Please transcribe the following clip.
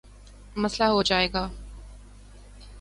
مسلہ ہو جائے گا